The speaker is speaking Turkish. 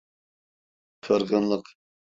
Kırgınlık.